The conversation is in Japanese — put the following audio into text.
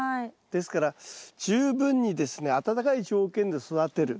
ですから十分にですね暖かい条件で育てる。